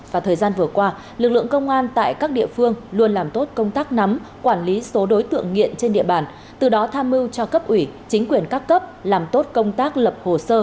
và thời gian vừa qua lực lượng công an tại các địa phương luôn làm tốt công tác nắm quản lý số đối tượng nghiện trên địa bàn từ đó tham mưu cho cấp ủy chính quyền các cấp làm tốt công tác lập hồ sơ